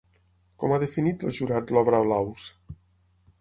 Com ha definit el jurat l'obra Blaus?